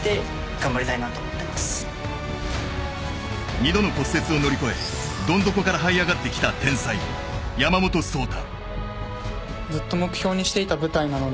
２度の骨折を乗り越えどん底からはい上がってきた天才山本草太。